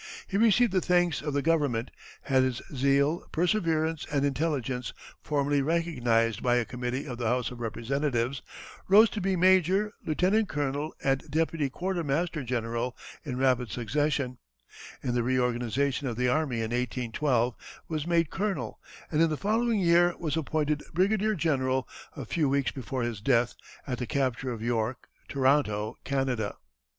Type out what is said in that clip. He received the thanks of the Government, had his zeal, perseverance, and intelligence formally recognized by a committee of the House of Representatives, rose to be major, lieutenant colonel, and deputy quartermaster general in rapid succession; in the reorganization of the army in 1812 was made colonel, and in the following year was appointed brigadier general a few weeks before his death, at the capture of York (Toronto), Canada.